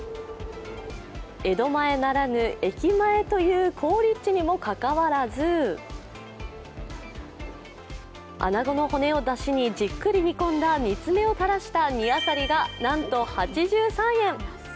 江戸前ならぬ駅前という好立地にも関わらず、あなごの骨をだしにじっくり煮込んだ煮詰めをタラした煮あさりがなんと８３円。